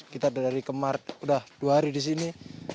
kita dari kemar sudah dua hari di sini